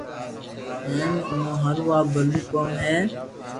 ھين امو ھارون آ بلو ڪوم ھي